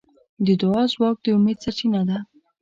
د دعا ځواک د امید سرچینه ده.